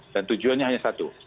dan tujuannya hanya satu